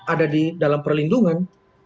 ada di dalam perlindungan